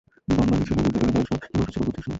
বনমালীর ছিল হৃদয়ের শখ, হিমাংশুর ছিল বুদ্ধির শখ।